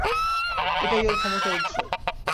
এটাই ওর ক্ষমতার উৎস।